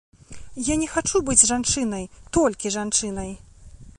Я не хачу быць жанчынай, толькі жанчынай.